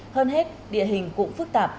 hơn hết địa hình cũng phức tạp